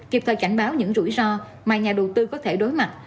kịp thời cảnh báo những rủi ro mà nhà đầu tư có thể đối mặt